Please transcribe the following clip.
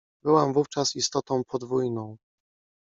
Byłam wówczas istotą podwójną.